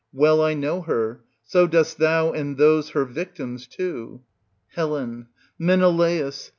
Well I know her ; so dost thou and those her victims too. Hel. Menelaus!